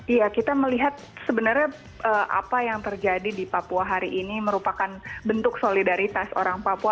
iya kita melihat sebenarnya apa yang terjadi di papua hari ini merupakan bentuk solidaritas orang papua